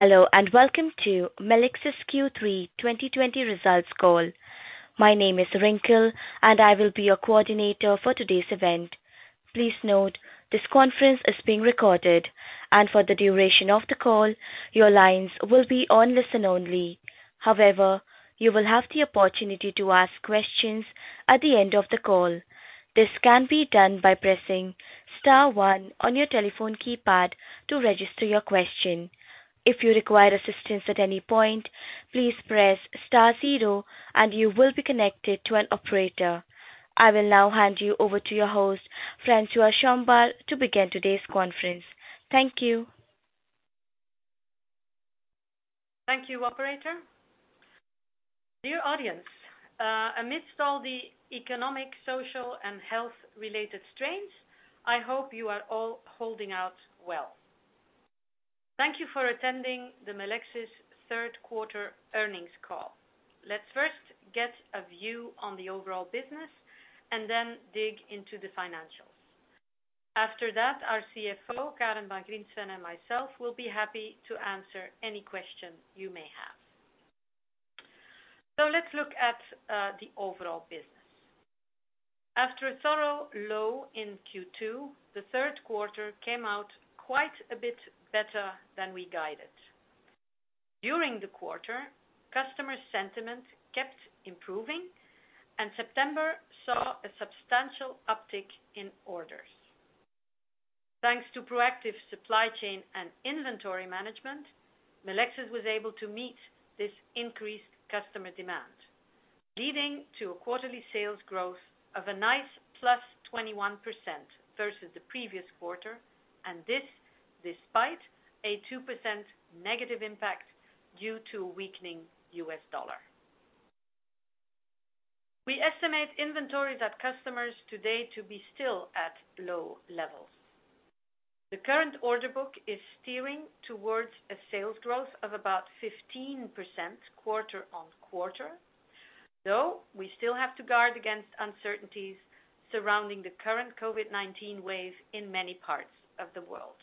Hello, welcome to Melexis Q3 2020 results call. My name is Rinkel. I will be your coordinator for today's event. Please note, this conference is being recorded. For the duration of the call, your lines will be on listen only. However, you will have the opportunity to ask questions at the end of the call. This can be done by pressing star one on your telephone keypad to register your question. If you require assistance at any point, please press star zero. You will be connected to an operator. I will now hand you over to your host, Françoise Chombar, to begin today's conference. Thank you. Thank you, operator. Dear audience, amidst all the economic, social, and health-related strains, I hope you are all holding out well. Thank you for attending the Melexis third quarter earnings call. Let's first get a view on the overall business and then dig into the financials. After that, our CFO, Karen van Griensven, and myself will be happy to answer any question you may have. Let's look at the overall business. After a thorough low in Q2, the third quarter came out quite a bit better than we guided. During the quarter, customer sentiment kept improving, and September saw a substantial uptick in orders. Thanks to proactive supply chain and inventory management, Melexis was able to meet this increased customer demand, leading to a quarterly sales growth of a nice +21% versus the previous quarter, and this despite a 2% negative impact due to a weakening U.S. dollar. We estimate inventory that customers today to be still at low levels. The current order book is steering towards a sales growth of about 15% quarter-on-quarter, though we still have to guard against uncertainties surrounding the current COVID-19 wave in many parts of the world.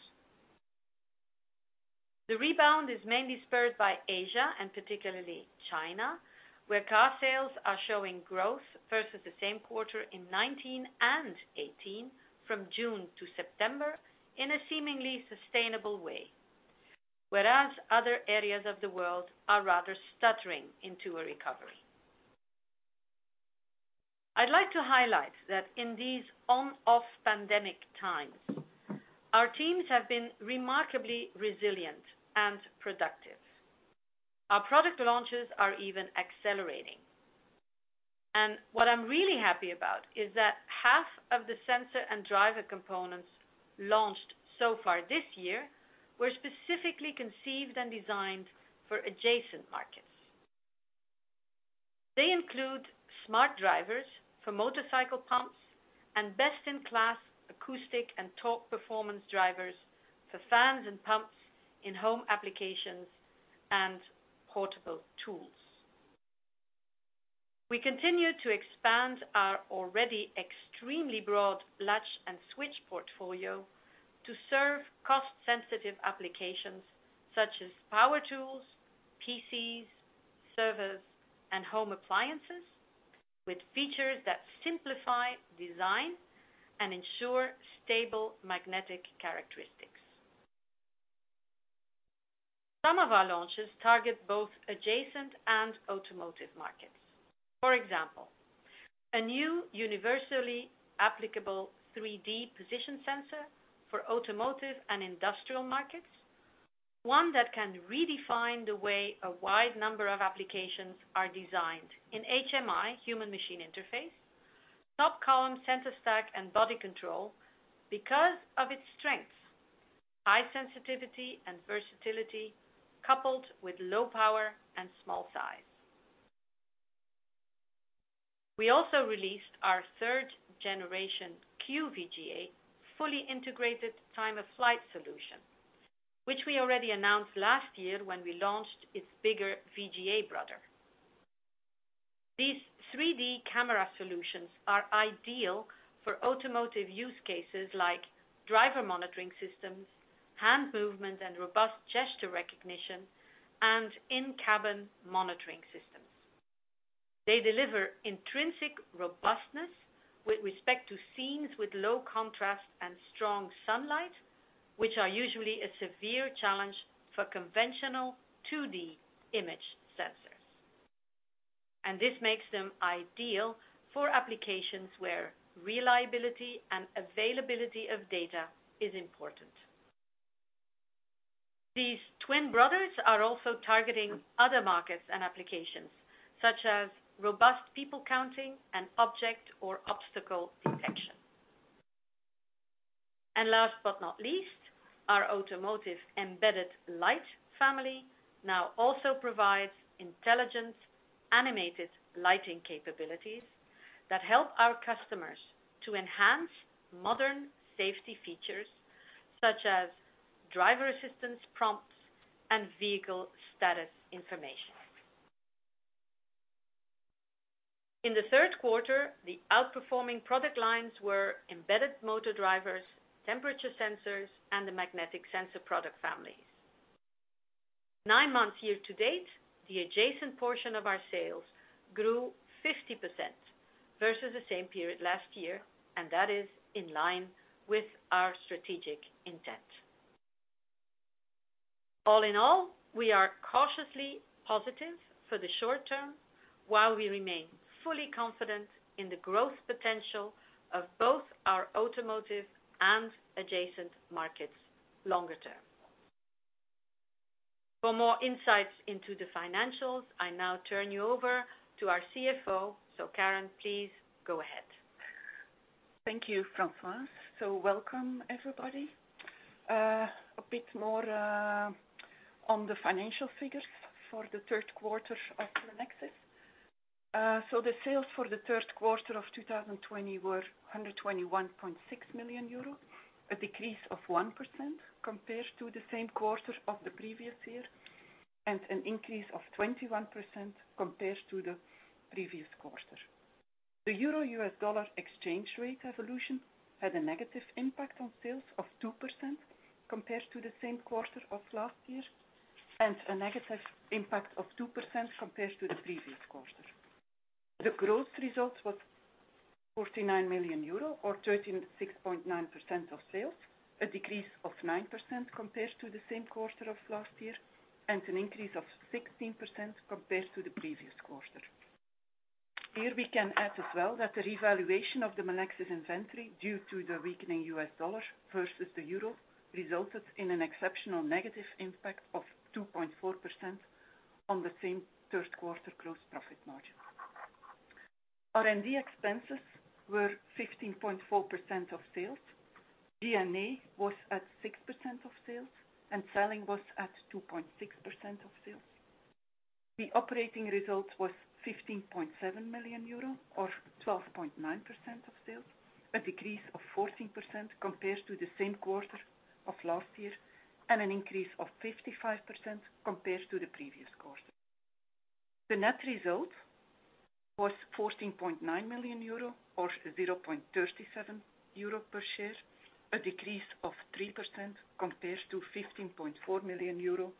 The rebound is mainly spurred by Asia, and particularly China, where car sales are showing growth versus the same quarter in 2019 and 2018 from June to September in a seemingly sustainable way, whereas other areas of the world are rather stuttering into a recovery. I'd like to highlight that in these on/off pandemic times, our teams have been remarkably resilient and productive. Our product launches are even accelerating. What I'm really happy about is that half of the sensor and driver components launched so far this year were specifically conceived and designed for adjacent markets. They include smart drivers for motorcycle pumps and best-in-class acoustic and torque performance drivers for fans and pumps in home applications and portable tools. We continue to expand our already extremely broad latch and switch portfolio to serve cost-sensitive applications such as power tools, PCs, servers, and home appliances with features that simplify design and ensure stable magnetic characteristics. Some of our launches target both adjacent and automotive markets. For example, a new universally applicable 3D position sensor for automotive and industrial markets, one that can redefine the way a wide number of applications are designed in HMI, Human Machine Interface, top column sensor stack, and body control because of its strengths, high sensitivity, and versatility, coupled with low power and small size. We also released our third generation QVGA fully integrated time-of-flight solution, which we already announced last year when we launched its bigger VGA brother. These 3D camera solutions are ideal for automotive use cases like driver monitoring systems, hand movement and robust gesture recognition, and in-cabin monitoring systems. They deliver intrinsic robustness with respect to scenes with low contrast and strong sunlight, which are usually a severe challenge for conventional 2D image sensors. This makes them ideal for applications where reliability and availability of data is important. These twin brothers are also targeting other markets and applications, such as robust people counting and object or obstacle detection. Last but not least, our automotive embedded light family now also provides intelligent animated lighting capabilities that help our customers to enhance modern safety features such as driver assistance prompts and vehicle status information. In the third quarter, the outperforming product lines were embedded motor drivers, temperature sensors, and the magnetic sensor product families. Nine months year-to-date, the adjacent portion of our sales grew 50% versus the same period last year. That is in line with our strategic intent. All in all, we are cautiously positive for the short term while we remain fully confident in the growth potential of both our automotive and adjacent markets longer-term. For more insights into the financials, I now turn you over to our CFO. Karen, please go ahead. Thank you, Françoise. Welcome everybody. A bit more on the financial figures for the third quarter of Melexis. The sales for the third quarter of 2020 were 121.6 million euro, a decrease of 1% compared to the same quarter of the previous year, and an increase of 21% compared to the previous quarter. The euro-U.S. dollar exchange rate evolution had a negative impact on sales of 2% compared to the same quarter of last year, and a negative impact of 2% compared to the previous quarter. The gross result was 49 million euro or 36.9% of sales, a decrease of 9% compared to the same quarter of last year, and an increase of 16% compared to the previous quarter. Here we can add as well that the revaluation of the Melexis inventory, due to the weakening U.S. dollar versus the euro, resulted in an exceptional negative impact of 2.4% on the same third quarter gross profit margin. R&D expenses were 15.4% of sales. G&A was at 6% of sales, and selling was at 2.6% of sales. The operating result was 15.7 million euro or 12.9% of sales, a decrease of 14% compared to the same quarter of last year, and an increase of 55% compared to the previous quarter. The net result was 14.9 million euro or 0.37 euro per share, a decrease of 3% compared to 15.4 million euro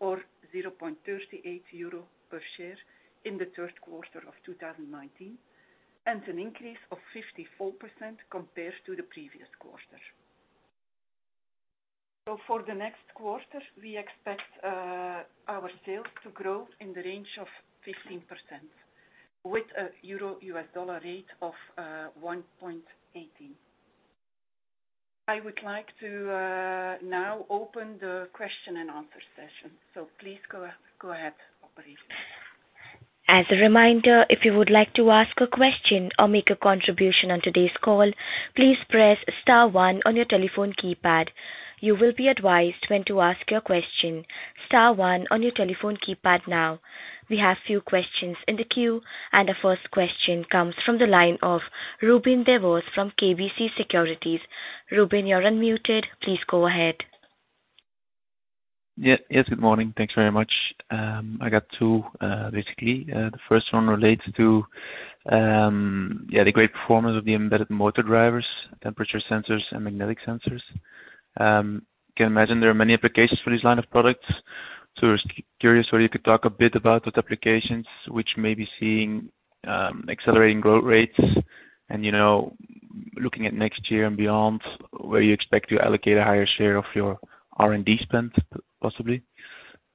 or 0.38 euro per share in the third quarter of 2019, and an increase of 54% compared to the previous quarter. For the next quarter, we expect our sales to grow in the range of 15% with a euro-U.S. dollar rate of $1.18. I would like to now open the question and answer session. Please go ahead, operator. As a reminder, if you would like to ask a question or make a contribution on today's call, please press star one on your telephone keypad. You will be advised when to ask your question. Star one on your telephone keypad now. We have few questions in the queue. The first question comes from the line of Ruben Devos from KBC Securities. Ruben, you're unmuted. Please go ahead. Yes. Good morning. Thanks very much. I got two, basically. The first one relates to the great performance of the embedded motor drivers, temperature sensors and magnetic sensors. Can imagine there are many applications for these line of products. I was curious whether you could talk a bit about those applications which may be seeing accelerating growth rates and looking at next year and beyond, where you expect to allocate a higher share of your R&D spend, possibly.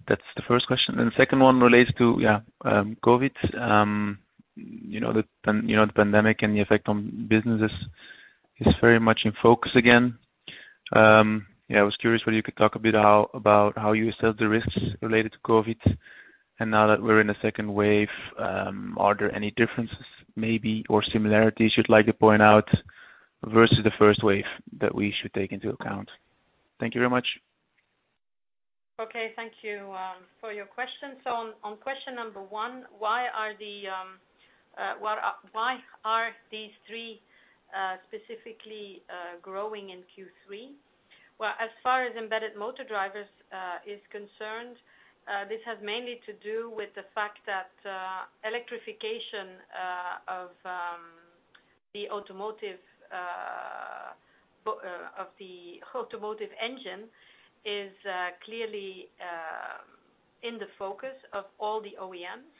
That's the first question, then the second one relates to COVID. The pandemic and the effect on businesses is very much in focus again. I was curious whether you could talk a bit about how you assess the risks related to COVID, and now that we're in a second wave, are there any differences maybe or similarities you'd like to point out versus the first wave that we should take into account? Thank you very much. Okay. Thank you for your question. On question number one, why are these three specifically growing in Q3? As far as embedded motor drivers is concerned, this has mainly to do with the fact that electrification of the automotive engine is clearly in the focus of all the OEMs.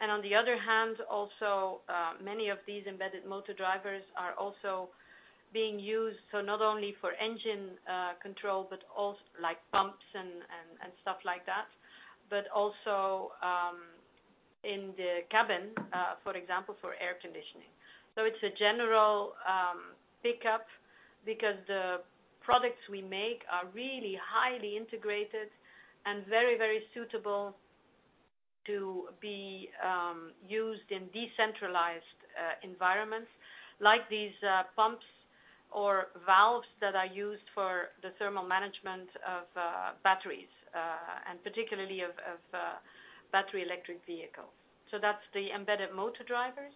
On the other hand, also many of these embedded motor drivers are also being used, not only for engine control but also like pumps and stuff like that. Also in the cabin, for example, for air conditioning. It's a general pickup because the products we make are really highly integrated and very suitable to be used in decentralized environments like these pumps or valves that are used for the thermal management of batteries, and particularly of battery electric vehicles. That's the embedded motor drivers.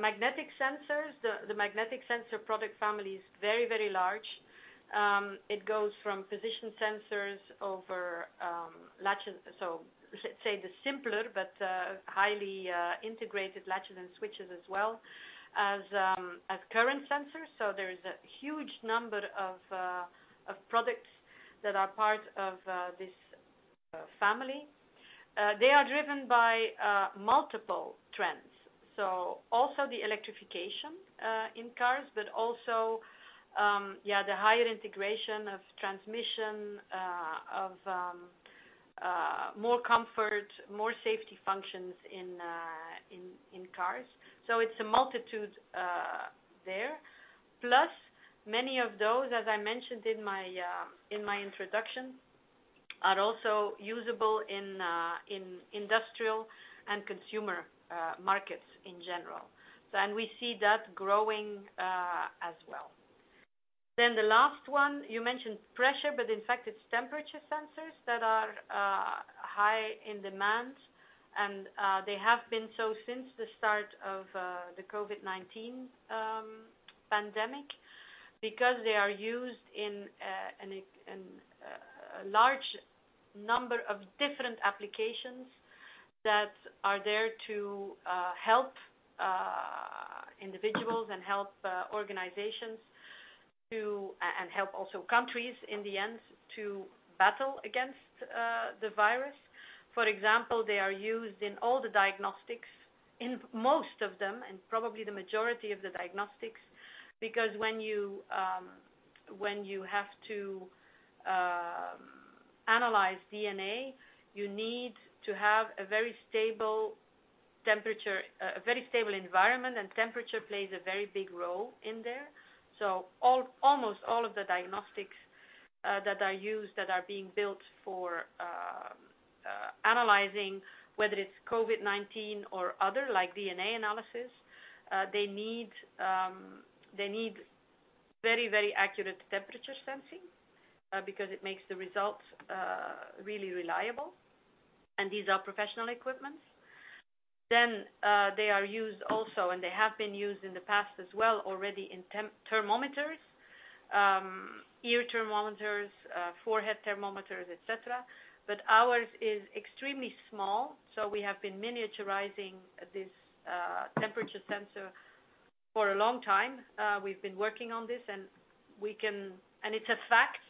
Magnetic sensors. The magnetic sensor product family is very large. It goes from position sensors over, say, the simpler but highly integrated latches and switches as well as current sensors. There is a huge number of products that are part of this family. They are driven by multiple trends. Also the electrification in cars, but also, the higher integration of transmission, of more comfort, more safety functions in cars. It's a multitude there. Plus, many of those, as I mentioned in my introduction, are also usable in industrial and consumer markets in general. We see that growing as well. The last one, you mentioned pressure, but in fact, it's temperature sensors that are high in demand, and they have been so since the start of the COVID-19 pandemic, because they are used in a large number of different applications that are there to help individuals and help organizations, and help also countries in the end, to battle against the virus. For example, they are used in all the diagnostics, in most of them, and probably the majority of the diagnostics. When you have to analyze DNA, you need to have a very stable environment, and temperature plays a very big role in there. Almost all of the diagnostics that are used, that are being built for analyzing, whether it's COVID-19 or other, like DNA analysis, they need very accurate temperature sensing, because it makes the results really reliable. These are professional equipments. They are used also, and they have been used in the past as well already, in thermometers. Ear thermometers, forehead thermometers, et cetera. Ours is extremely small, so we have been miniaturizing this temperature sensor for a long time. We've been working on this, and it's a fact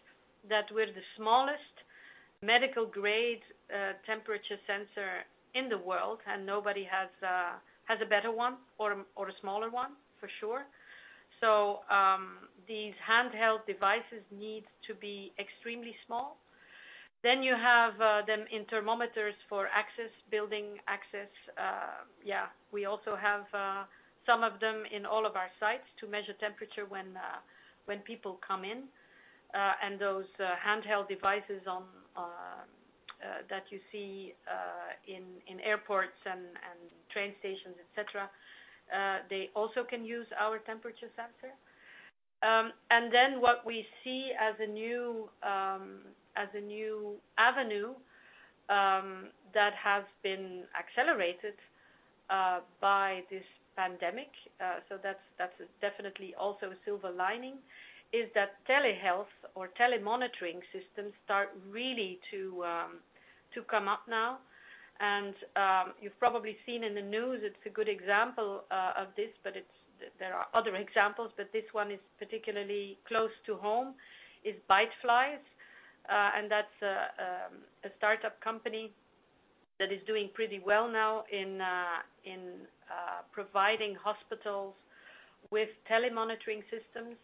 that we're the smallest medical-grade temperature sensor in the world, and nobody has a better one or a smaller one, for sure. These handheld devices need to be extremely small. You have them in thermometers for building access. We also have some of them in all of our sites to measure temperature when people come in. Those handheld devices that you see in airports and train stations, et cetera, they also can use our temperature sensor. What we see as a new avenue that has been accelerated by this pandemic, so that's definitely also a silver lining, is that telehealth or telemonitoring systems start really to come up now. You've probably seen in the news, it's a good example of this, but there are other examples, but this one is particularly close to home, is Byteflies. That's a startup company that is doing pretty well now in providing hospitals with telemonitoring systems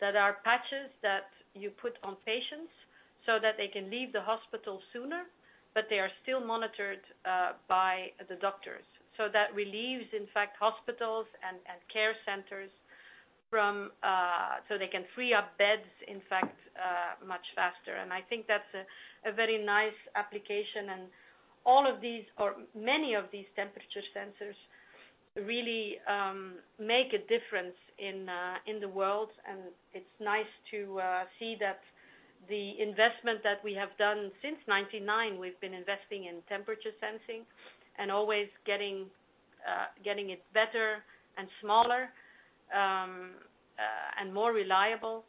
that are patches that you put on patients so that they can leave the hospital sooner, but they are still monitored by the doctors. That relieves, in fact, hospitals and care centers, so they can free up beds, in fact, much faster. I think that's a very nice application. All of these, or many of these temperature sensors really make a difference in the world, and it's nice to see that the investment that we have done since 1999, we've been investing in temperature sensing and always getting it better and smaller, and more reliable.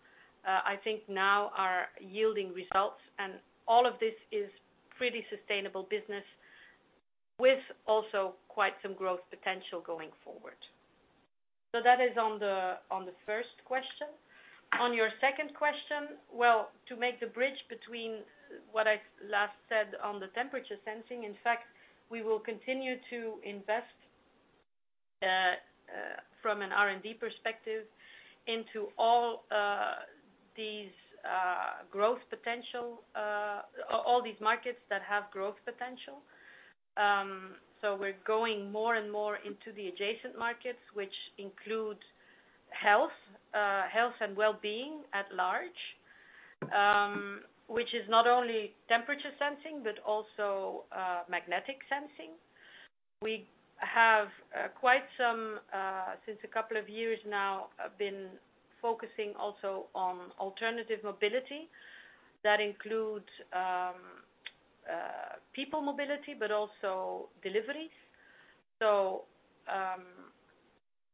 I think now are yielding results, and all of this is pretty sustainable business with also quite some growth potential going forward. That is on the first question. On your second question, well, to make the bridge between what I last said on the temperature sensing, in fact, we will continue to invest, from an R&D perspective, into all these markets that have growth potential. We're going more and more into the adjacent markets, which include health and well-being at large, which is not only temperature sensing, but also magnetic sensing. We have, since a couple of years now, been focusing also on alternative mobility. That includes people mobility, but also deliveries.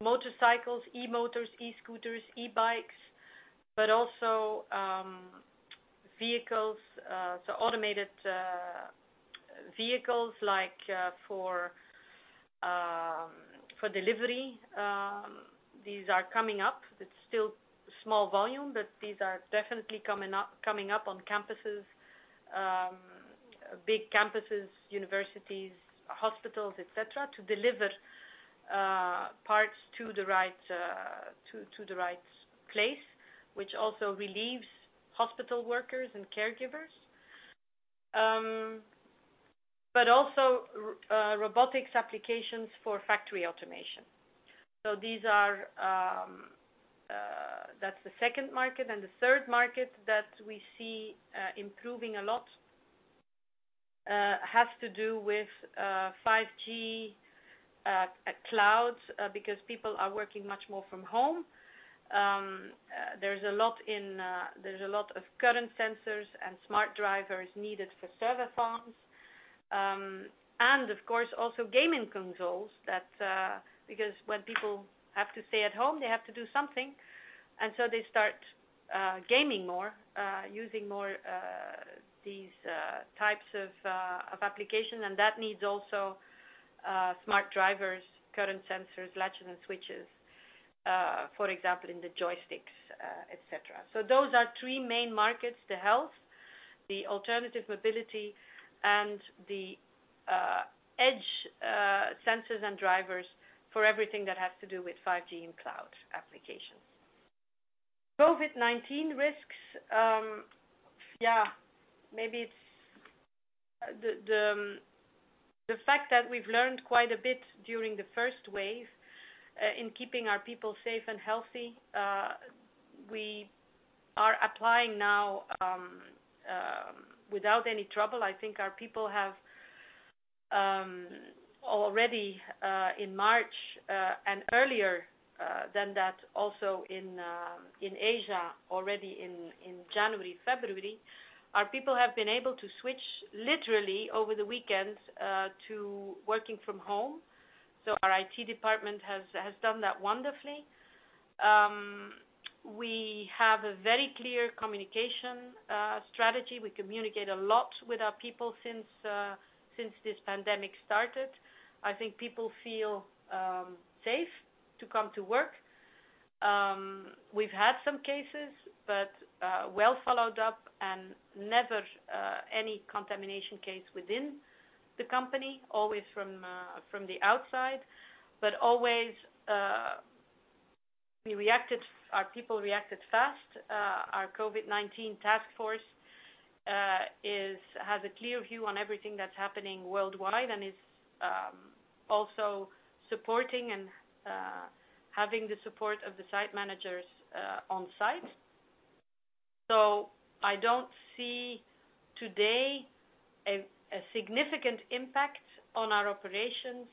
Motorcycles, e-motors, e-scooters, e-bikes, but also automated vehicles like for delivery. These are coming up. It's still small volume, but these are definitely coming up on campuses, big campuses, universities, hospitals, et cetera, to deliver parts to the right place, which also relieves hospital workers and caregivers. Robotics applications for factory automation. That's the second market. The third market that we see improving a lot has to do with 5G clouds, because people are working much more from home. There's a lot of current sensors and smart drivers needed for server farms. Of course, also gaming consoles, because when people have to stay at home, they have to do something, so they start gaming more, using more these types of application, and that needs also smart drivers, current sensors, latches and switches, for example, in the joysticks, et cetera. Those are three main markets, the health, the alternative mobility, and the edge sensors and drivers for everything that has to do with 5G and cloud applications. COVID-19 risks. Yeah. Maybe it's the fact that we've learned quite a bit during the first wave, in keeping our people safe and healthy. We are applying now, without any trouble, I think our people have, already, in March, and earlier, than that also in Asia, already in January, February, our people have been able to switch literally over the weekend, to working from home. Our IT department has done that wonderfully. We have a very clear communication strategy. We communicate a lot with our people since this pandemic started. I think people feel safe to come to work. We've had some cases, but well followed up and never any contamination case within the company, always from the outside. Always our people reacted fast. Our COVID-19 task force has a clear view on everything that's happening worldwide and is also supporting and having the support of the site managers on site. I don't see today a significant impact on our operations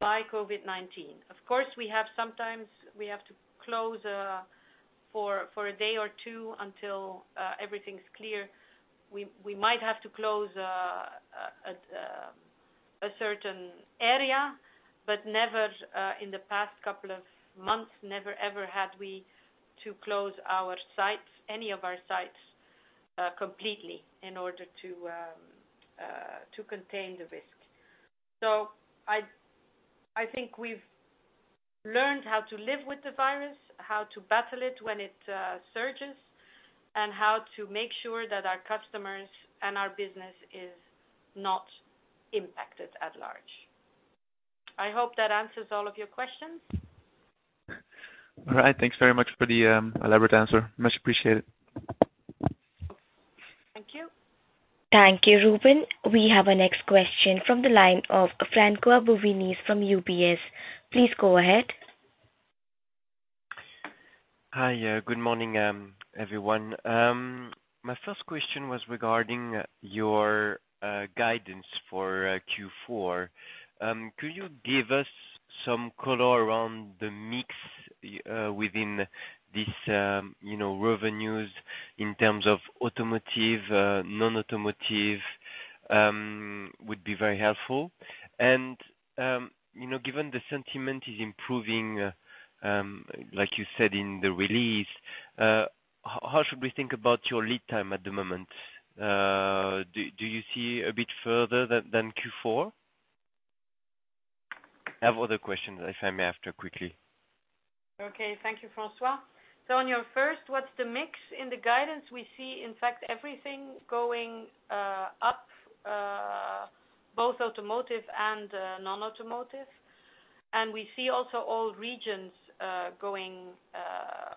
by COVID-19. Of course, we have sometimes we have to close for a day or two until everything's clear. We might have to close a certain area, but in the past couple of months, never, ever had we to close any of our sites completely in order to contain the risk. I think we've learned how to live with the virus, how to battle it when it surges, and how to make sure that our customers and our business is not impacted at large. I hope that answers all of your questions. All right. Thanks very much for the elaborate answer. Much appreciated. Thank you. Thank you, Ruben. We have our next question from the line of François Bouvignies from UBS. Please go ahead. Hi. Good morning, everyone. My first question was regarding your guidance for Q4. Could you give us some color around the mix within these revenues in terms of automotive, non-automotive, would be very helpful. Given the sentiment is improving, like you said in the release, how should we think about your lead time at the moment? Do you see a bit further than Q4? I have other questions if I may after, quickly. Okay. Thank you, François. On your first, what's the mix in the guidance? We see, in fact, everything going up, both automotive and non-automotive. We see also all regions growing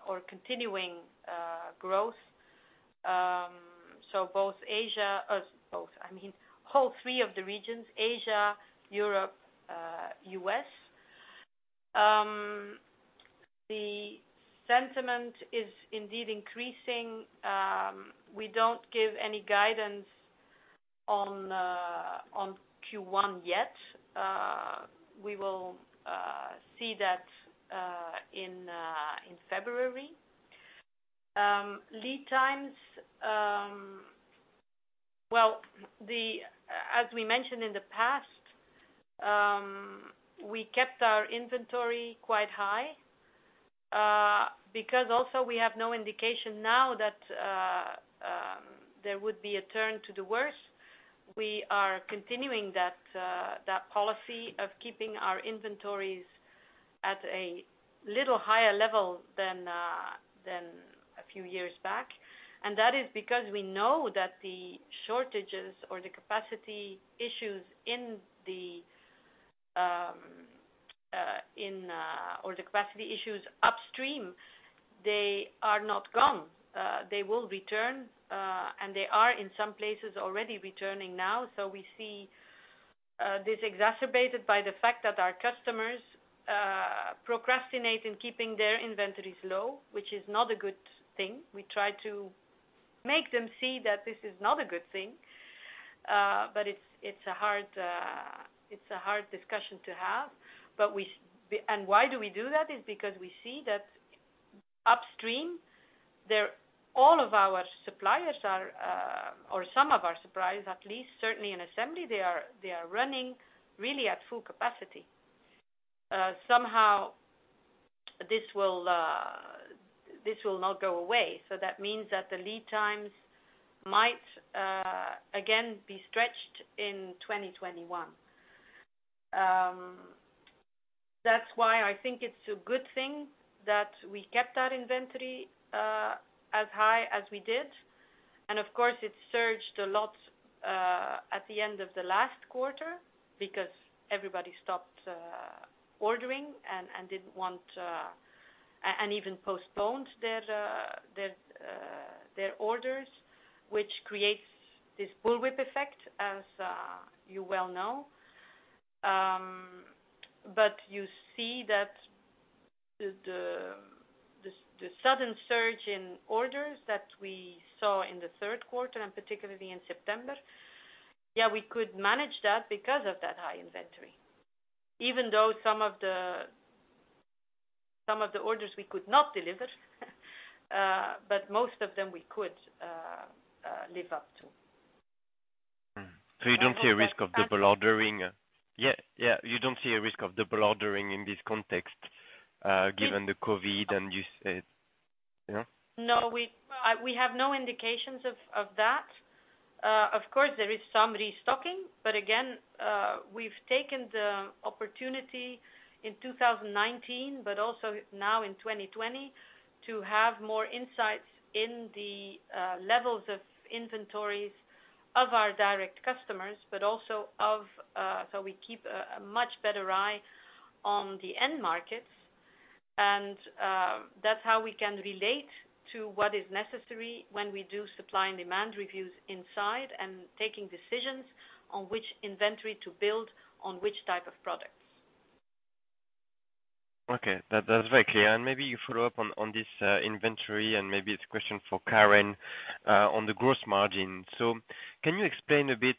or continuing growth. All three of the regions, Asia, Europe, U.S. The sentiment is indeed increasing. We don't give any guidance on Q1 yet. We will see that in February. Lead times, as we mentioned in the past, we kept our inventory quite high because also we have no indication now that there would be a turn to the worse. We are continuing that policy of keeping our inventories at a little higher level than a few years back. That is because we know that the shortages or the capacity issues upstream, they are not gone. They will return, and they are in some places already returning now. We see this exacerbated by the fact that our customers procrastinate in keeping their inventories low, which is not a good thing. We try to make them see that this is not a good thing, but it's a hard discussion to have. Why do we do that? Is because we see that upstream, all of our suppliers are, or some of our suppliers at least, certainly in assembly, they are running really at full capacity. Somehow this will not go away. That means that the lead times might again be stretched in 2021. That's why I think it's a good thing that we kept our inventory as high as we did, and of course it surged a lot at the end of the last quarter because everybody stopped ordering and even postponed their orders, which creates this bullwhip effect as you well know. You see that the sudden surge in orders that we saw in the third quarter, and particularly in September, we could manage that because of that high inventory, even though some of the orders we could not deliver, but most of them we could live up to. You don't see a risk of double ordering? Yeah. You don't see a risk of double ordering in this context given the COVID-19 and you said Yeah? We have no indications of that. Of course, there is some restocking, again, we've taken the opportunity in 2019, also now in 2020 to have more insights in the levels of inventories of our direct customers, we keep a much better eye on the end markets. That's how we can relate to what is necessary when we do supply and demand reviews inside and taking decisions on which inventory to build on which type of products. That's very clear. Maybe you follow up on this inventory. Maybe it's a question for Karen on the gross margin. Can you explain a bit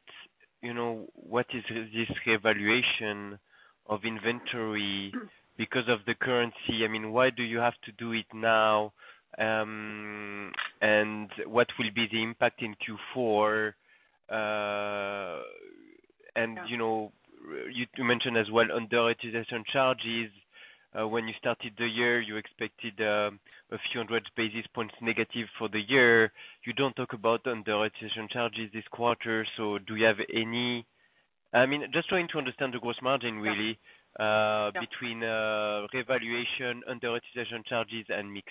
what is this revaluation of inventory because of the currency? Why do you have to do it now? What will be the impact in Q4? You mentioned as well underutilization charges. When you started the year, you expected a few 100 basis points negative for the year. You don't talk about underutilization charges this quarter. Just trying to understand the gross margin really between revaluation, underutilization charges, and mix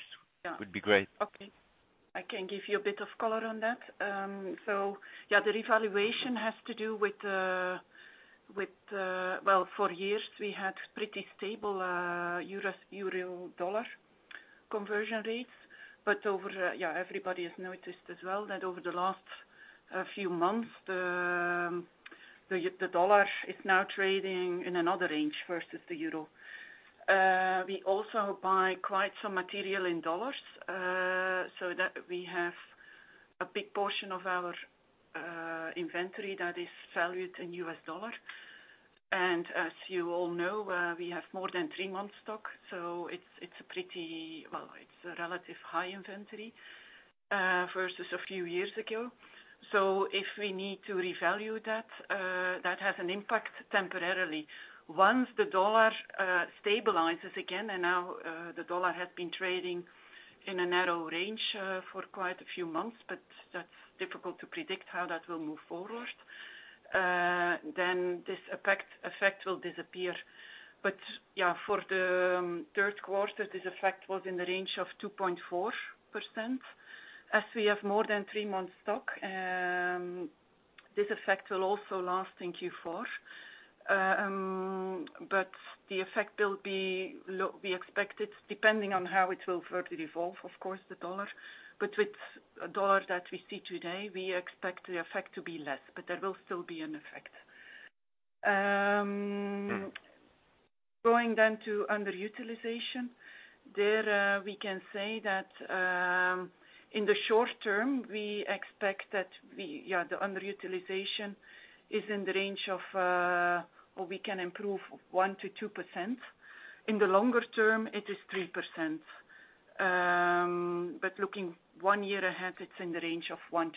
would be great. Okay. I can give you a bit of color on that. The revaluation has to do with, for years we had pretty stable euro-U.S. dollar conversion rates. Everybody has noticed as well that over the last few months, the U.S. dollar is now trading in another range versus the euro. We also buy quite some material in U.S. dollars, so we have a big portion of our inventory that is valued in U.S. dollars. As you all know, we have more than three months stock. It's a relative high inventory versus a few years ago. If we need to revalue that has an impact temporarily. Once the U.S. dollar stabilizes again, and now the U.S. dollar has been trading in a narrow range for quite a few months, but that's difficult to predict how that will move forward, then this effect will disappear. Yeah, for the third quarter, this effect was in the range of 2.4%. As we have more than three months stock, this effect will also last in Q4. The effect will be expected depending on how it will further evolve, of course, the dollar. With dollar that we see today, we expect the effect to be less, but there will still be an effect. Going to underutilization. There we can say that in the short term, we expect that the underutilization is in the range of, or we can improve 1%-2%. In the longer term, it is 3%. Looking one year ahead, it's in the range of 1%-2%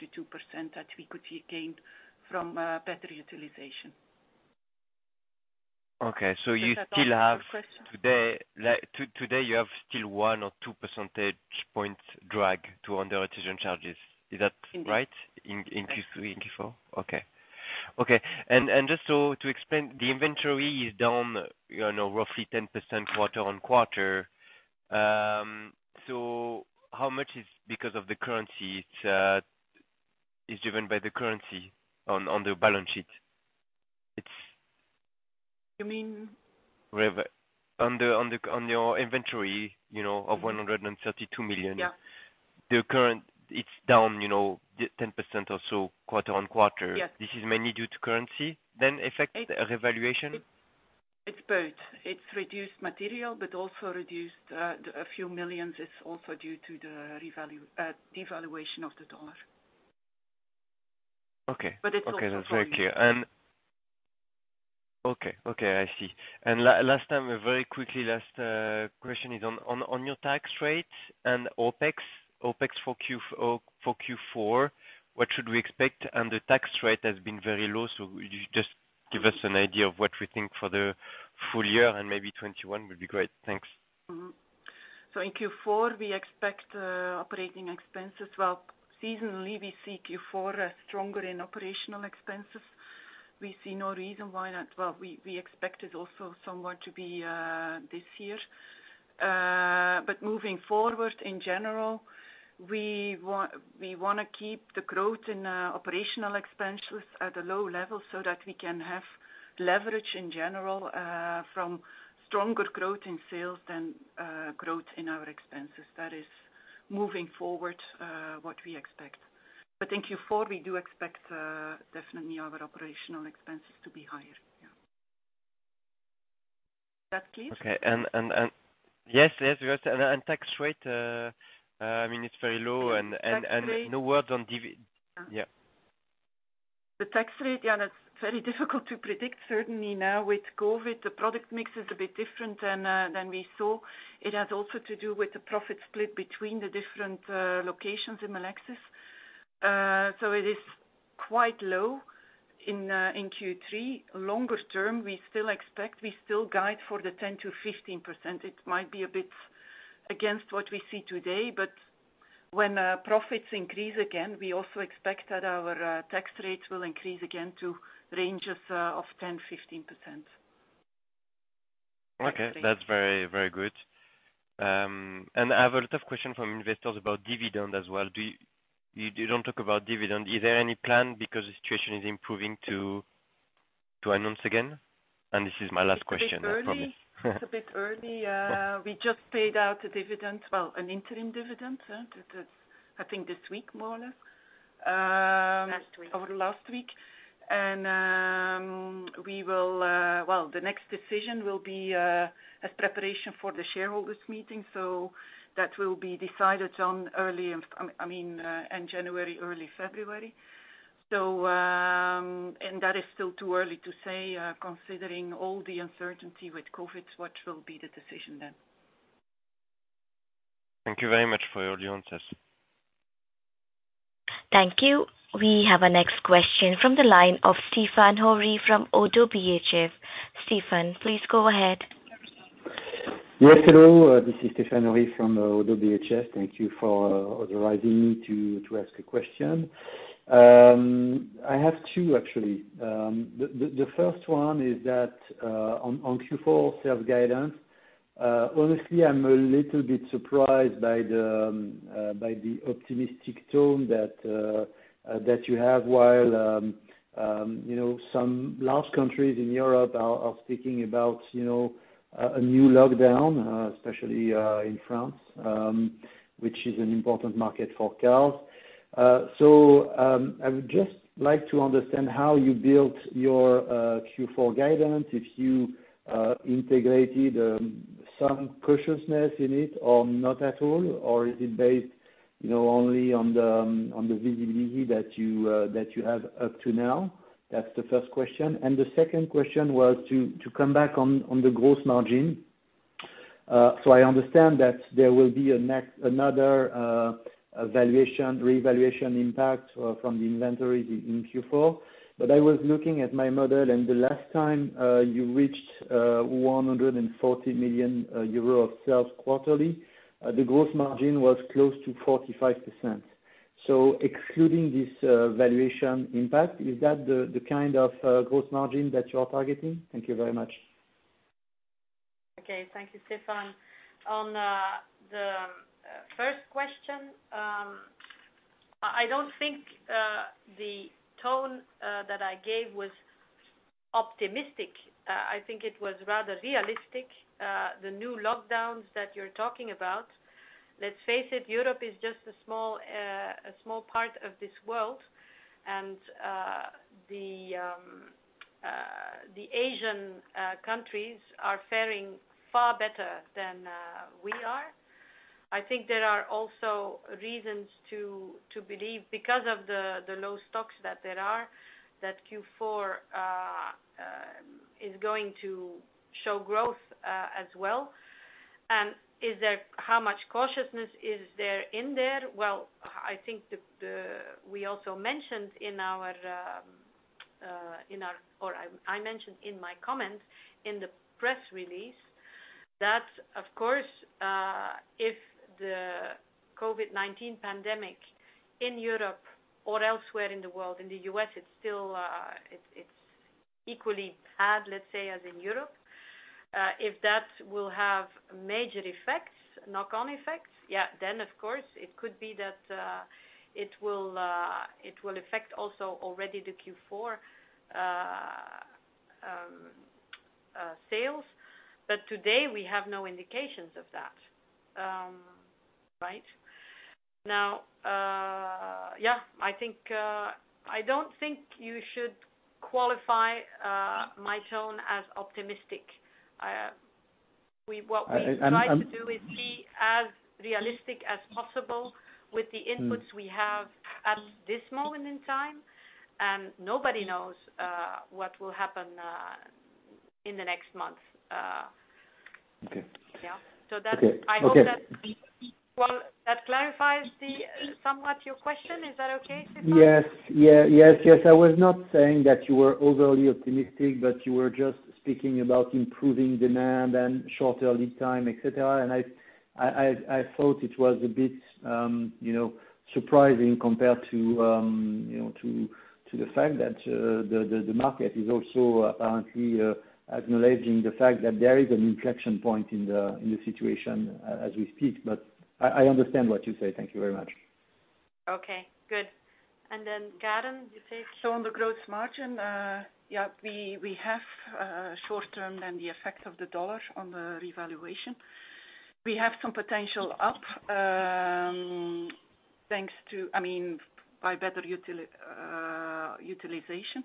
that we could gain from better utilization. Okay. Does that answer your question? Today, you have still one or two percentage points drag to underutilization charges. Is that right? Indeed. In Q3 and Q4? Okay. Just to explain, the inventory is down roughly 10% quarter-on-quarter. How much is because of the currency, is driven by the currency on the balance sheet? You mean? On your inventory of 132 million. Yeah. The current, it's down 10% or so quarter-on-quarter. Yes. This is mainly due to currency then effect revaluation? It's both. It's reduced material, but also reduced a few million is also due to the devaluation of the U.S. dollar. Okay. It's also volume. Okay, that's very clear. Okay, I see. Last time, very quickly, last question is on your tax rate and OPEX. OPEX for Q4, what should we expect? The tax rate has been very low, would you just give us an idea of what we think for the full year and maybe 2021 would be great. Thanks. In Q4, we expect operating expenses. Well, seasonally, we see Q4 as stronger in operating expenses. We see no reason why not. Well, we expect it also somewhat to be this year. Moving forward, in general, we want to keep the growth in operating expenses at a low level so that we can have leverage in general from stronger growth in sales than growth in our expenses. That is moving forward what we expect. In Q4, we do expect definitely our operating expenses to be higher, yeah. Is that clear? Okay. Yes, Tax rate, it's very low. Tax rate. No word on divi- Yeah. The tax rate, yeah, that's very difficult to predict. Certainly now with COVID, the product mix is a bit different than we saw. It has also to do with the profit split between the different locations in Melexis. It is quite low in Q3. Longer term, we still expect, we still guide for the 10%-15%. It might be a bit against what we see today, but when profits increase again, we also expect that our tax rates will increase again to ranges of 10%, 15%. Okay. That's very good. I have a lot of questions from investors about dividend as well. You don't talk about dividend. Is there any plan because the situation is improving to announce again? This is my last question, I promise. It's a bit early. We just paid out a dividend, well, an interim dividend. That's I think this week, more or less. Last week. Last week. Well, the next decision will be as preparation for the shareholders meeting. That will be decided on January, early February. That is still too early to say, considering all the uncertainty with COVID-19, what will be the decision then. Thank you very much for your answers. Thank you. We have our next question from the line of Stéphane Houri from ODDO BHF. Stéphane, please go ahead. Yes, hello. This is Stéphane Houri from ODDO BHF. Thank you for authorizing me to ask a question. I have two, actually. The first one is that on Q4 sales guidance, honestly, I'm a little bit surprised by the optimistic tone that you have while some large countries in Europe are speaking about a new lockdown, especially in France, which is an important market for cars. I would just like to understand how you built your Q4 guidance, if you integrated some cautiousness in it or not at all, or is it based only on the visibility that you have up to now? That's the first question. The second question was to come back on the gross margin. I understand that there will be another valuation, revaluation impact from the inventories in Q4. I was looking at my model, and the last time you reached 140 million euro of sales quarterly, the gross margin was close to 45%. Excluding this valuation impact, is that the kind of gross margin that you are targeting? Thank you very much. Okay. Thank you, Stéphane. On the first question, I don't think the tone that I gave was optimistic. I think it was rather realistic. The new lockdowns that you're talking about, let's face it, Europe is just a small part of this world. The Asian countries are faring far better than we are. I think there are also reasons to believe because of the low stocks that there are, that Q4 is going to show growth as well. How much cautiousness is there in there? Well, I think we also mentioned, or I mentioned in my comments in the press release that, of course, if the COVID-19 pandemic in Europe or elsewhere in the world, in the U.S. it's equally bad, let's say, as in Europe. If that will have major effects, knock-on effects, then of course it could be that it will affect also already the Q4 sales. Today we have no indications of that. Right. Now, I don't think you should qualify my tone as optimistic. What we try to do is be as realistic as possible with the inputs we have at this moment in time. Nobody knows what will happen in the next month. Okay. Yeah. Okay. I hope that clarifies somewhat your question. Is that okay, Stéphane? Yes. I was not saying that you were overly optimistic, but you were just speaking about improving demand and shorter lead time, et cetera. I thought it was a bit surprising compared to the fact that the market is also apparently acknowledging the fact that there is an inflection point in the situation as we speak. I understand what you say. Thank you very much. Okay, good. Karen, you said. On the gross margin, yeah, we have short term then the effect of the USD on the revaluation. We have some potential up by better utilization.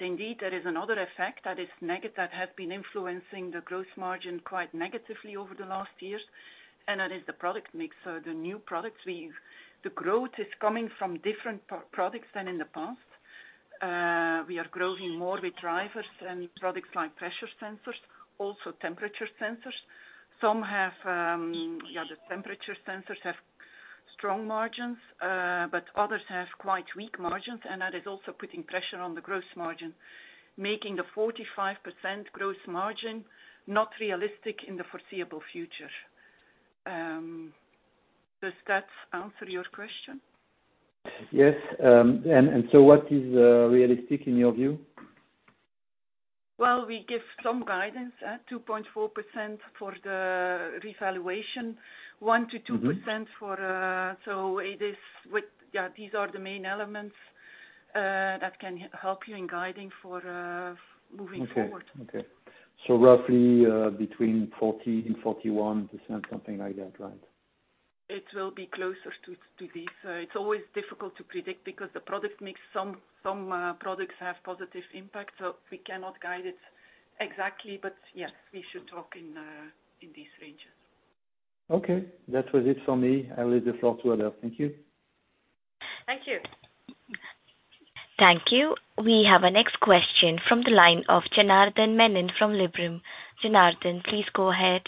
Indeed, there is another effect that has been influencing the gross margin quite negatively over the last years, and that is the product mix. The new products, the growth is coming from different products than in the past. We are growing more with drivers than products like pressure sensors, also temperature sensors. The temperature sensors have strong margins, but others have quite weak margins, and that is also putting pressure on the gross margin, making the 45% gross margin not realistic in the foreseeable future. Does that answer your question? Yes. What is realistic in your view? We give some guidance at 2.4% for the revaluation, 1%-2% for- These are the main elements that can help you in guiding for moving forward. Okay. roughly between 40% and 41%, something like that, right? It will be closer to this. It is always difficult to predict because the product mix, some products have positive impact, so we cannot guide it exactly, but yes, we should talk in these ranges. Okay. That was it for me. I leave the floor to others. Thank you. Thank you. Thank you. We have our next question from the line of Janardan Menon from Liberum. Janardan, please go ahead.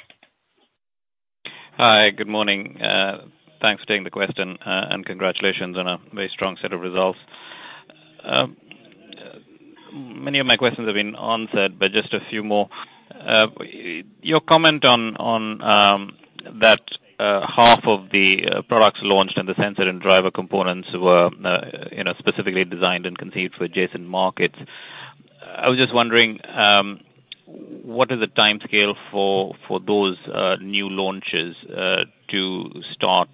Hi. Good morning. Thanks for taking the question, and congratulations on a very strong set of results. Many of my questions have been answered, but just a few more. Your comment on that half of the products launched in the sensor and driver components were specifically designed and conceived for adjacent markets. I was just wondering, what is the timescale for those new launches to start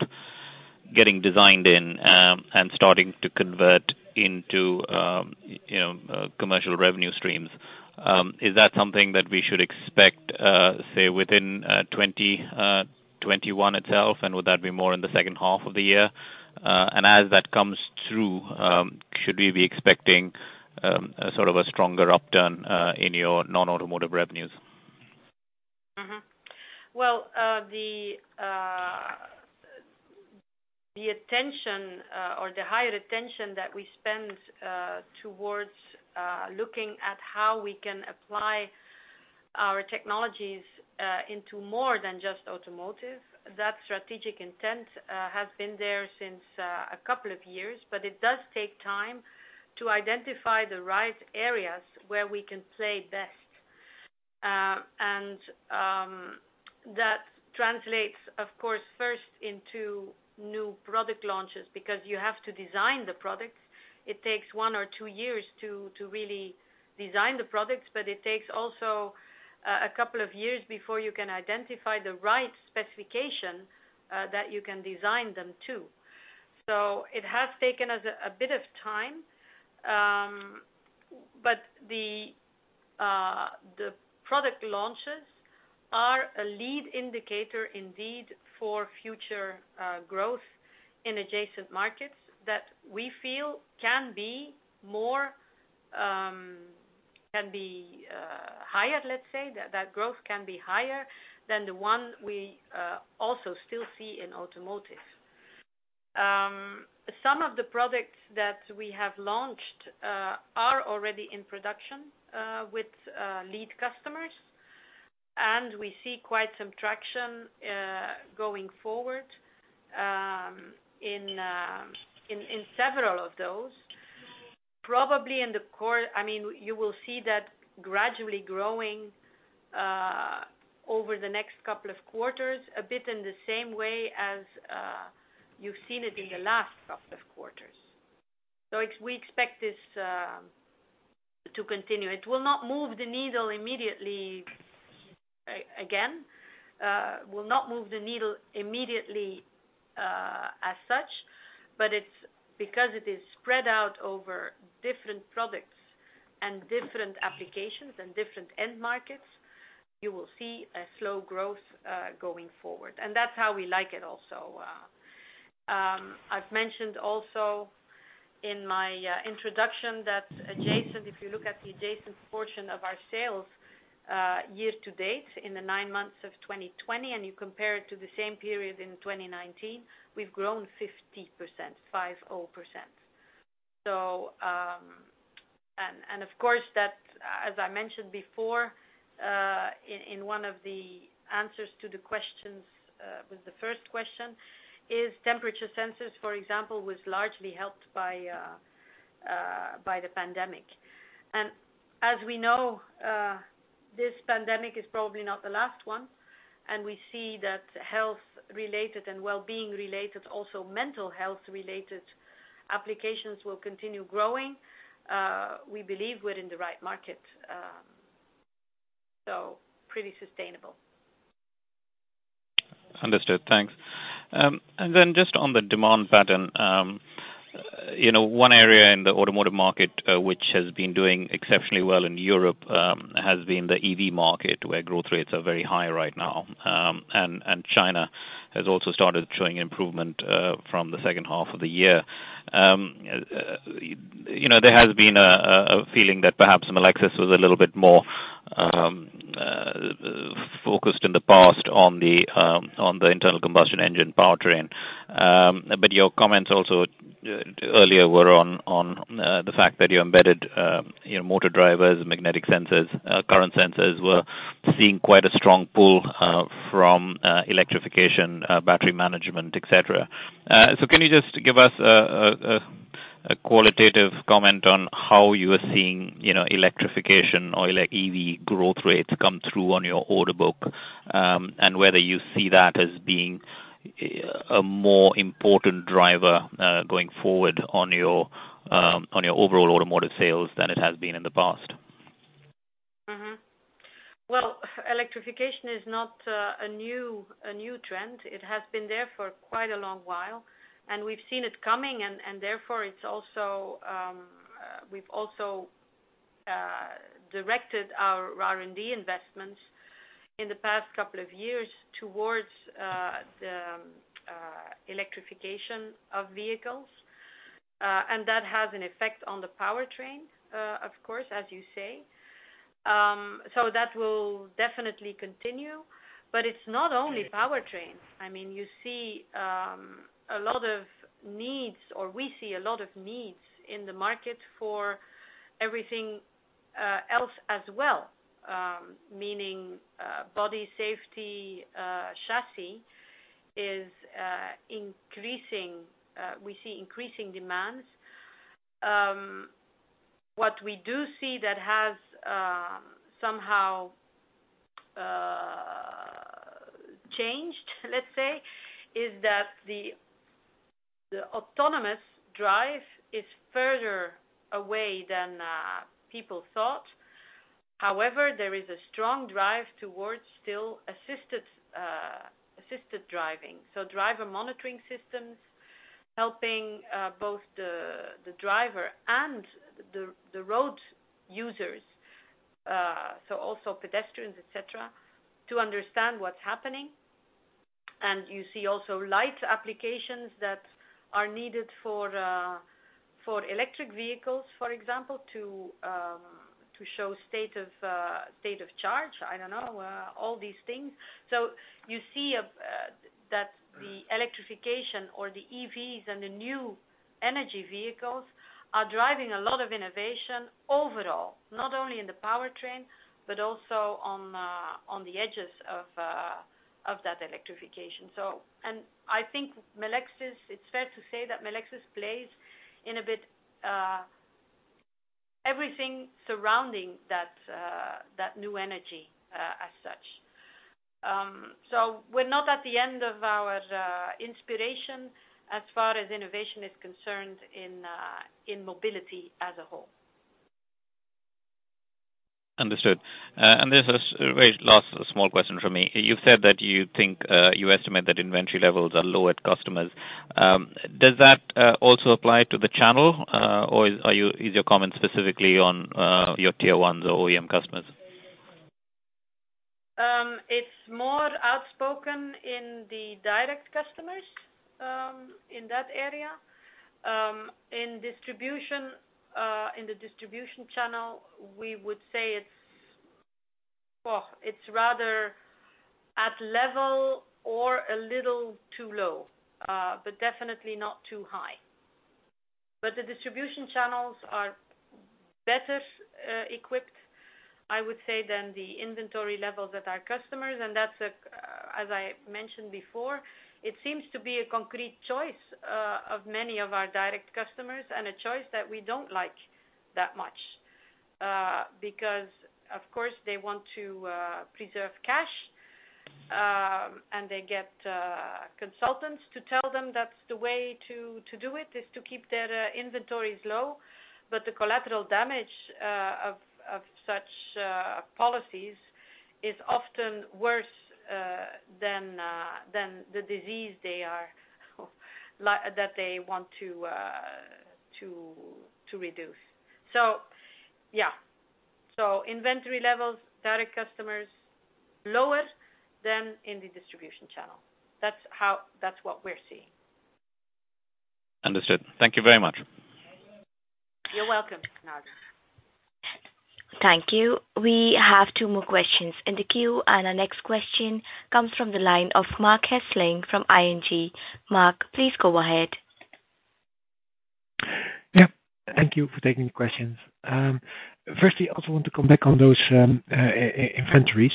getting designed in and starting to convert into commercial revenue streams? Is that something that we should expect, say, within 2021 itself? Would that be more in the second half of the year? As that comes through, should we be expecting sort of a stronger upturn in your non-automotive revenues? Well, the higher attention that we spend towards looking at how we can apply our technologies into more than just automotive, that strategic intent has been there since a couple of years, but it does take time to identify the right areas where we can play best. That translates, of course, first into new product launches because you have to design the products. It takes one or two years to really design the products, but it takes also a couple of years before you can identify the right specification that you can design them to. It has taken us a bit of time, but the product launches are a lead indicator indeed, for future growth in adjacent markets that we feel can be higher, let's say. That growth can be higher than the one we also still see in automotive. Some of the products that we have launched are already in production with lead customers, and we see quite some traction going forward in several of those. You will see that gradually growing over the next couple of quarters, a bit in the same way as you've seen it in the last couple of quarters. We expect this to continue. It will not move the needle immediately as such, but because it is spread out over different products and different applications and different end markets, you will see a slow growth going forward. That's how we like it also. I've mentioned also in my introduction that if you look at the adjacent portion of our sales year to date in the nine months of 2020, and you compare it to the same period in 2019, we've grown 50%, 50%. Of course, as I mentioned before, in one of the answers to the questions, with the first question, is temperature sensors, for example, was largely helped by the pandemic. As we know, this pandemic is probably not the last one, and we see that health-related and well-being-related, also mental health-related applications will continue growing. We believe we're in the right market, so pretty sustainable. Understood. Thanks. Then just on the demand pattern. One area in the automotive market which has been doing exceptionally well in Europe, has been the EV market, where growth rates are very high right now. China has also started showing improvement from the second half of the year. There has been a feeling that perhaps Melexis was a little bit more focused in the past on the internal combustion engine powertrain. Your comments also earlier were on the fact that your embedded motor drivers, magnetic sensors, current sensors were seeing quite a strong pull from electrification, battery management, et cetera. Can you just give us a qualitative comment on how you are seeing electrification or EV growth rates come through on your order book, and whether you see that as being a more important driver going forward on your overall automotive sales than it has been in the past. Well, electrification is not a new trend. It has been there for quite a long while, and we've seen it coming, and therefore, we've also directed our R&D investments in the past couple of years towards the electrification of vehicles. That has an effect on the powertrain, of course, as you say. That will definitely continue. It's not only powertrains. You see a lot of needs, or we see a lot of needs in the market for everything else as well. Meaning, body safety, chassis is increasing. We see increasing demands. What we do see that has somehow changed, let's say, is that the autonomous drive is further away than people thought. However, there is a strong drive towards still assisted driving. driver monitoring systems, helping both the driver and the road users, also pedestrians, et cetera, to understand what's happening. You see also light applications that are needed for electric vehicles, for example, to show state of charge. I don't know, all these things. You see that the electrification or the EVs and the new energy vehicles are driving a lot of innovation overall, not only in the powertrain but also on the edges of that electrification. I think it's fair to say that Melexis plays in a bit everything surrounding that new energy as such. We're not at the end of our inspiration as far as innovation is concerned in mobility as a whole. Understood. There's a very last small question from me. You've said that you estimate that inventory levels are low at customers. Does that also apply to the channel, or is your comment specifically on your tier ones or OEM customers? It's more outspoken in the direct customers, in that area. In the distribution channel, we would say it's rather at level or a little too low, but definitely not too high. The distribution channels are better equipped, I would say, than the inventory levels at our customers, and that's, as I mentioned before, it seems to be a concrete choice of many of our direct customers, and a choice that we don't like that much. Because, of course, they want to preserve cash, and they get consultants to tell them that's the way to do it, is to keep their inventories low, but the collateral damage of such policies is often worse than the disease that they want to reduce. Inventory levels, direct customers, lower than in the distribution channel. That's what we're seeing. Understood. Thank you very much. You're welcome, Menon. Thank you. We have two more questions in the queue, and our next question comes from the line of Marc Hesselink from ING. Marc, please go ahead. Yeah, thank you for taking the questions. Firstly, I also want to come back on those inventories.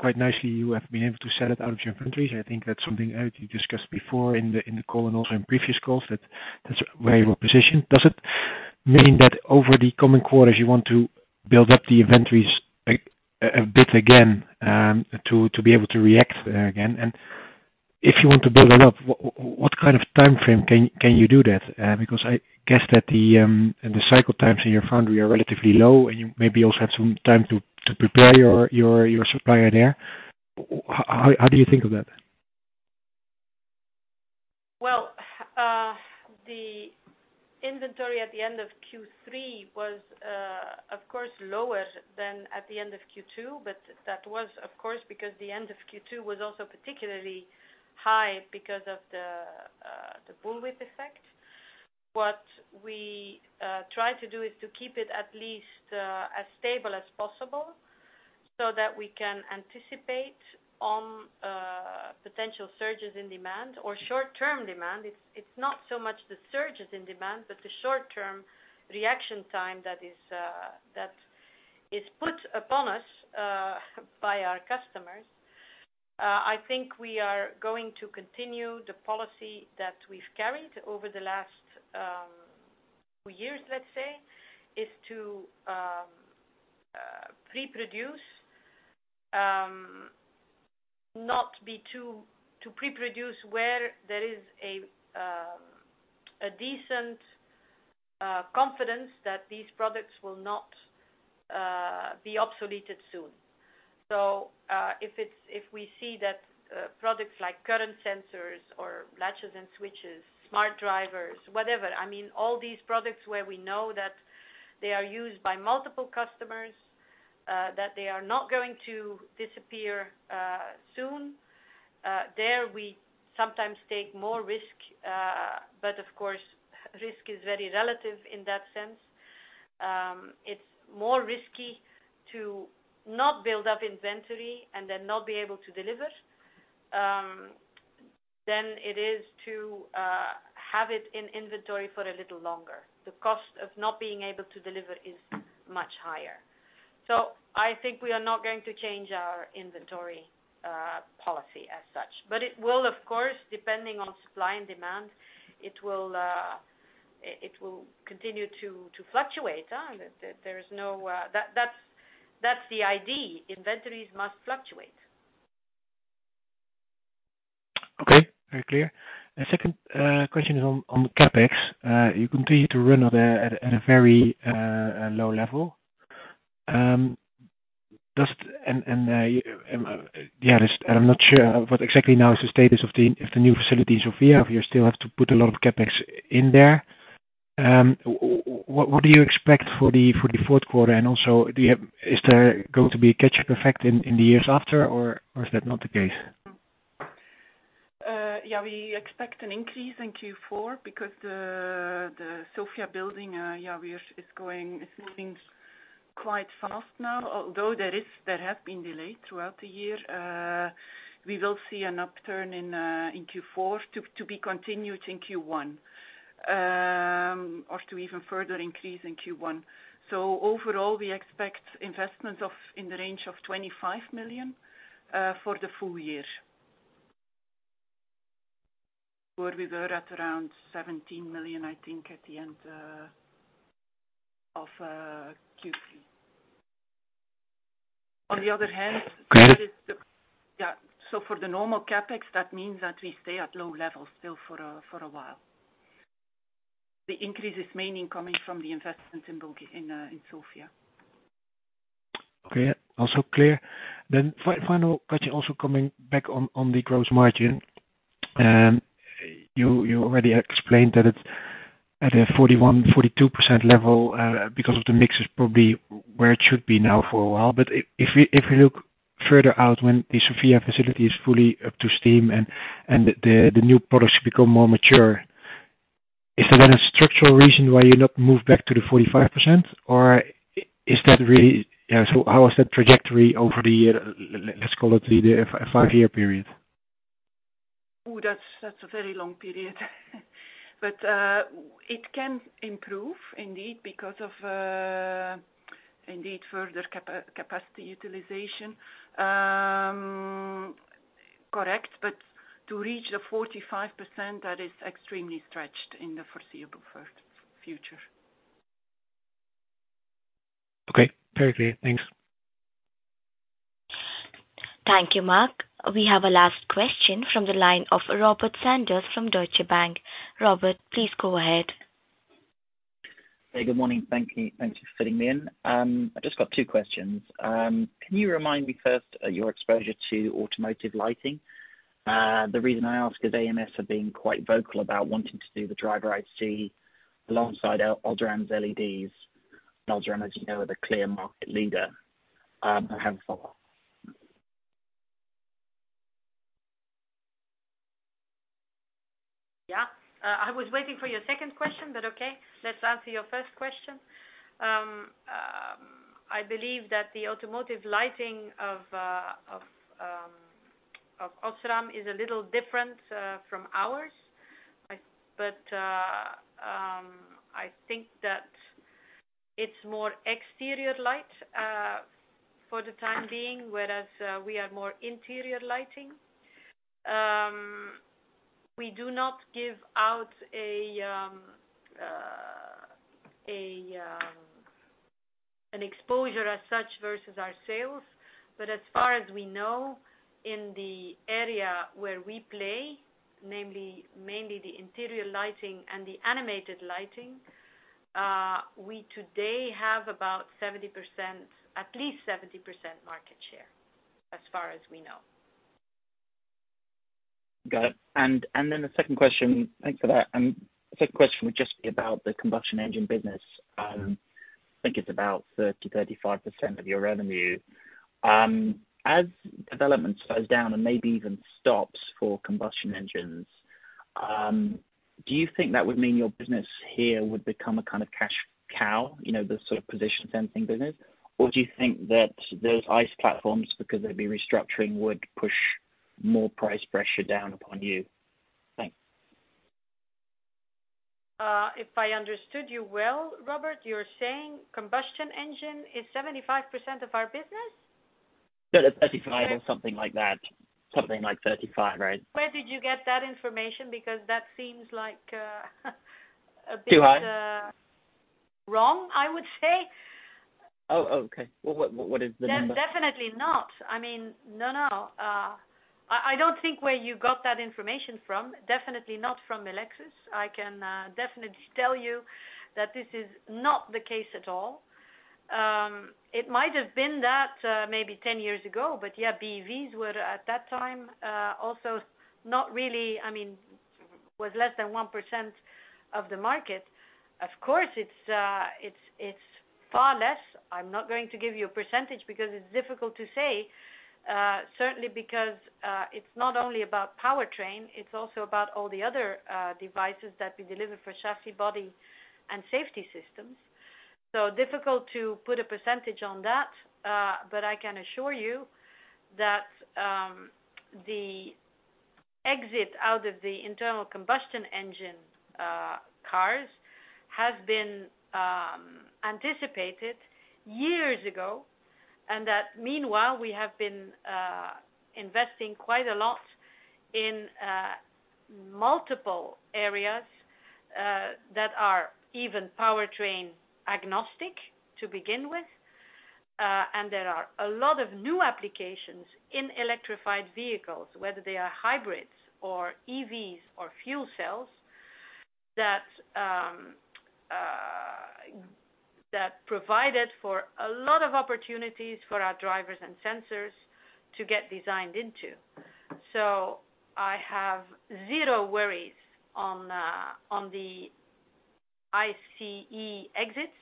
Quite nicely, you have been able to sell it out of your inventories. I think that's something you discussed before in the call and also in previous calls, that's very well-positioned. Does it mean that over the coming quarters, you want to build up the inventories a bit again, to be able to react again? If you want to build that up, what kind of timeframe can you do that? I guess that the cycle times in your foundry are relatively low, and you maybe also have some time to prepare your supplier there. How do you think of that? Well, the inventory at the end of Q3 was, of course, lower than at the end of Q2, but that was because the end of Q2 was also particularly high because of the bullwhip effect. What we try to do is to keep it at least as stable as possible so that we can anticipate on potential surges in demand or short-term demand. It is not so much the surges in demand, but the short-term reaction time that is put upon us by our customers. I think we are going to continue the policy that we have carried over the last two years, let us say, is to pre-produce where there is a decent confidence that these products will not be obsoleted soon. If we see that products like current sensors or latches and switches, smart drivers, whatever, all these products where we know that they are used by multiple customers, that they are not going to disappear soon, there we sometimes take more risk. Of course, risk is very relative in that sense. It's more risky to not build up inventory and then not be able to deliver, than it is to have it in inventory for a little longer. The cost of not being able to deliver is much higher. I think we are not going to change our inventory policy as such. It will, of course, depending on supply and demand, it will continue to fluctuate. That's the idea. Inventories must fluctuate. Okay, very clear. The second question is on the CapEx. You continue to run at a very low level. I'm not sure what exactly now is the status of the new facility in Sofia. You still have to put a lot of CapEx in there. What do you expect for the fourth quarter, and also is there going to be a catch-up effect in the years after, or is that not the case? Yeah, we expect an increase in Q4 because the Sofia building is moving quite fast now. Although there have been delays throughout the year, we will see an upturn in Q4 to be continued in Q1, or to even further increase in Q1. Overall, we expect investments in the range of 25 million for the full year. Where we were at around 17 million, I think, at the end of Q3. Clear. For the normal CapEx, that means that we stay at low levels still for a while. The increase is mainly coming from the investment in Sofia. Okay. Also clear. Final question, also coming back on the gross margin. You already explained that it's at a 41%-42% level, because of the mix is probably where it should be now for a while. If we look further out when the Sofia facility is fully up to steam and the new products become more mature, is there a structural reason why you not move back to the 45%? How is that trajectory over the, let's call it a five-year period? That's a very long period. It can improve indeed because of indeed further capacity utilization. Correct, but to reach the 45%, that is extremely stretched in the foreseeable future. Okay. Very clear. Thanks. Thank you, Marc. We have a last question from the line of Robert Sanders from Deutsche Bank. Robert, please go ahead. Hey, good morning. Thank you for fitting me in. I've just got two questions. Can you remind me first your exposure to automotive lighting? The reason I ask is ams have been quite vocal about wanting to do the driver IC alongside OSRAM's LEDs. OSRAM, as you know, are the clear market leader. I have a follow-up. Yeah. I was waiting for your second question, but okay, let's answer your first question. I believe that the automotive lighting of OSRAM is a little different from ours. I think that it's more exterior light, for the time being, whereas we are more interior lighting. We do not give out an exposure as such versus our sales. As far as we know, in the area where we play, mainly the interior lighting and the animated lighting, we today have about at least 70% market share, as far as we know. Got it. The second question. Thanks for that. The second question would just be about the combustion engine business. I think it's about 30%, 35% of your revenue. As development slows down and maybe even stops for combustion engines, do you think that would mean your business here would become a kind of cash cow, the sort of position sensing business, or do you think that those ICE platforms, because they'd be restructuring, would push more price pressure down upon you? Thanks. If I understood you well, Robert, you're saying combustion engine is 75% of our business? No, 35% or something like that. Something like 35%, right. Where did you get that information? Because that seems a bit- Too high. Wrong, I would say. Oh, okay. Well, what is the number? Definitely not. I mean, no. I don't think where you got that information from, definitely not from Melexis. I can definitely tell you that this is not the case at all. It might have been that maybe 10 years ago, but yeah, BEVs were, at that time, also less than 1% of the market. Of course, it's far less. I'm not going to give you a percentage because it's difficult to say. Certainly because, it's not only about powertrain, it's also about all the other devices that we deliver for chassis, body, and safety systems. So difficult to put a percentage on that, but I can assure you that the exit out of the internal combustion engine cars has been anticipated years ago, and that meanwhile, we have been investing quite a lot in multiple areas, that are even powertrain agnostic to begin with. There are a lot of new applications in electrified vehicles, whether they are hybrids or EVs or fuel cells, that provided for a lot of opportunities for our drivers and sensors to get designed into. I have zero worries on the ICE exit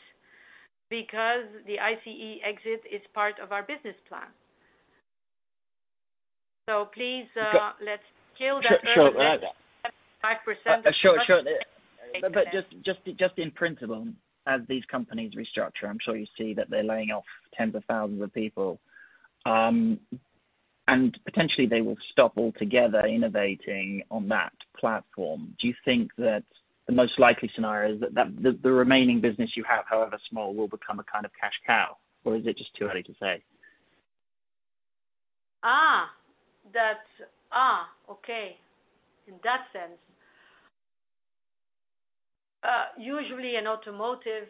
because the ICE exit is part of our business plan. Please. Okay Let's kill that 35%. Sure. Just in principle, as these companies restructure, I'm sure you see that they're laying off tens of thousands of people, and potentially they will stop altogether innovating on that platform. Do you think that the most likely scenario is that the remaining business you have, however small, will become a kind of cash cow, or is it just too early to say? Okay. In that sense. Usually in automotive,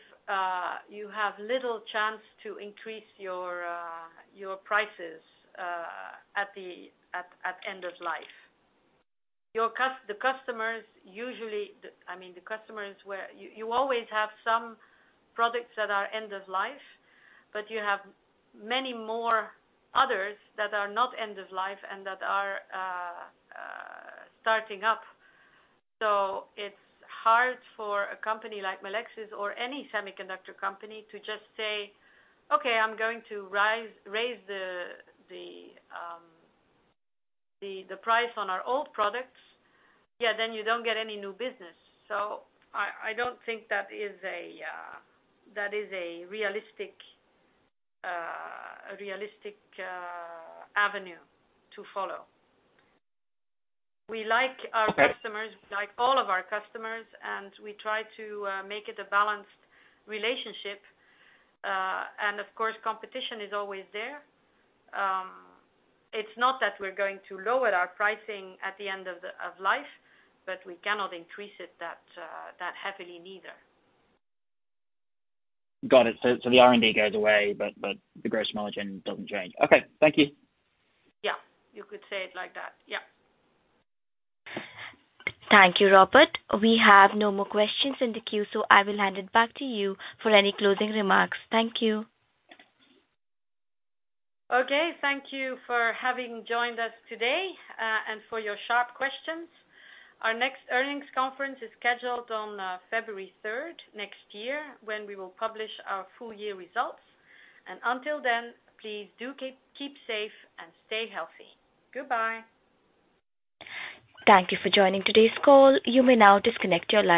you have little chance to increase your prices at end of life. You always have some products that are end of life, but you have many more others that are not end of life and that are starting up. It's hard for a company like Melexis or any semiconductor company to just say, "Okay, I'm going to raise the price on our old products." Yeah, then you don't get any new business. I don't think that is a realistic avenue to follow. Okay. We like all of our customers, and we try to make it a balanced relationship. Of course, competition is always there. It's not that we're going to lower our pricing at the end of life, but we cannot increase it that happily neither. Got it. The R&D goes away, but the gross margin doesn't change. Okay, thank you. Yeah, you could say it like that. Yeah. Thank you, Robert. We have no more questions in the queue, so I will hand it back to you for any closing remarks. Thank you. Okay, thank you for having joined us today for your sharp questions. Our next earnings conference is scheduled on February 3rd next year, when we will publish our full year results. Until then, please do keep safe and stay healthy. Goodbye. Thank you for joining today's call. You may now disconnect your line.